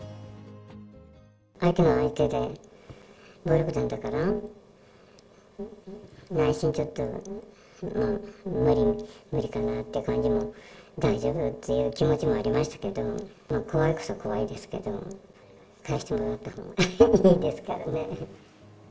相手が相手で、暴力団だから、内心ちょっとまあ、無理かなって感じも、大丈夫？という気持ちもありましたけど、怖いといえば怖いですけど、返してもらったほうがいいですからね。